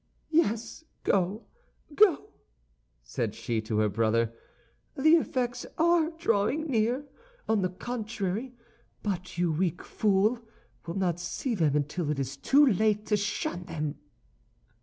"Yes, go, go!" said she to her brother; "the effects are drawing near, on the contrary; but you, weak fool, will not see them until it is too late to shun them."